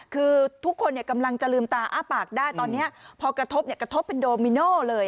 คือทุกคนกำลังจะลืมตาอ้าปากได้ตอนนี้พอกระทบกระทบเป็นโดมิโน่เลย